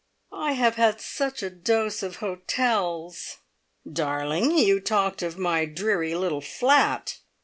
"I have had such a dose of hotels!" "Darling, you talked of my `dreary little flat!'"